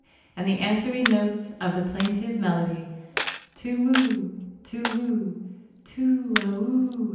and the answering notes of plaintive melody, "Toowoo toowoo Tooawoooooo!"